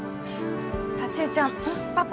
幸江ちゃんパパ